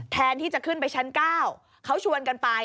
แทนที่จะขึ้นไปชั้น๙เขาชวนกันไป